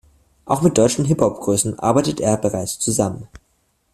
Auch mit deutschen Hip-Hop-Größen arbeitet er bereits zusammen.